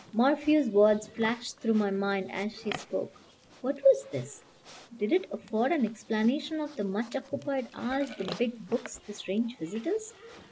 Morphew's words flashed through my mind as she spoke. What was this? Did it afford an explanation of the much occupied hours, the big books, the strange visitors?